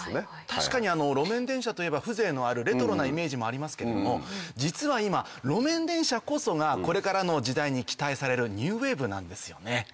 確かに路面電車といえば風情のあるレトロなイメージもありますけれども実は今路面電車こそがこれからの時代に期待されるニューウエーブなんですよね。